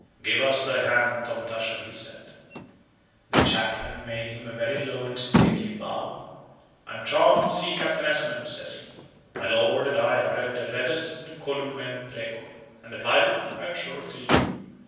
"Give us thy hand, Tom Tusher," he said. The chaplain made him a very low and stately bow. "I am charmed to see Captain Esmond," says he. "My lord and I have read the Reddas incolumem precor, and applied it, I am sure, to you.